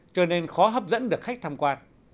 cho nên khó hấp dẫn được khách tham quan